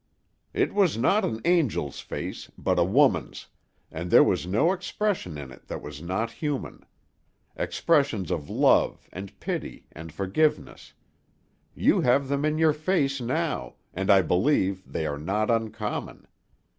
"It was not an angel's face, but a woman's, and there was no expression in it that was not human; expressions of love, and pity, and forgiveness you have them in your face now, and I believe they are not uncommon.